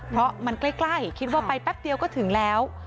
เพราะมันใกล้คิดว่าไปแป๊บเดียวก็ถึงแล้ว